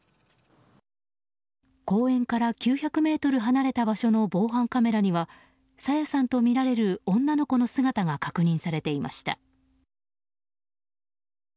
公園から９００ｍ離れた場所の防犯カメラには朝芽さんとみられる女の子の姿が確認されていました。